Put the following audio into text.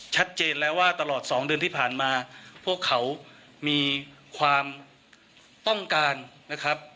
ชัดเจนแล้วว่าตลอดสองเดือนที่ผ่านมาพวกเขามีความต้องการนะครับ